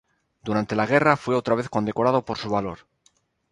Durante la guerra, fue otra vez condecorado por su valor.